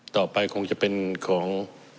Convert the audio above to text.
ต่อไปคงจะเป็นของ